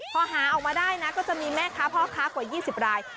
พอหาออกมาได้นะก็จะมีแม่ค้าพ่อค้ากว่า๒๐ราย